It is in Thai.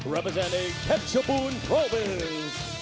รับทราบแคปชับบูนโปรบิส